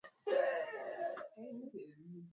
yao endapo watatumia Kiswahili kikamilifu Kwanza ilikuwa